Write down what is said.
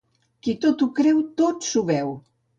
Qui tot ho creu, tot s'ho beu.